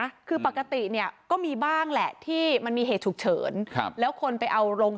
คือปกติเนี่ยก็มีบ้างแหละที่มันมีเหตุฉุกเฉินครับแล้วคนไปเอาโรง